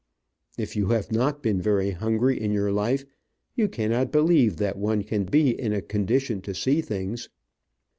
If you have not been very hungry in your life, you can not believe that one can be in a condition to see things.